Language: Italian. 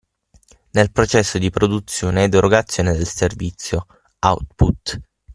Nel processo di produzione ed erogazione del servizio (output).